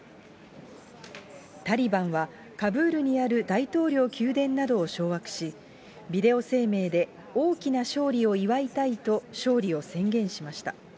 タリバンは、カブールにある大統領宮殿などを掌握し、ビデオ声明で、大きな勝利を祝いたいと勝利を宣言しました。